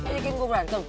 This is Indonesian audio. nggak bikin gua berantem